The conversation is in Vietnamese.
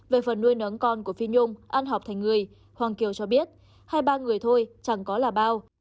về phần nuôi nắng con của phi nhung ăn học thành người hoàng kiều cho biết hai ba người thôi chẳng có là bao